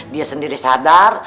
dia sendiri sadar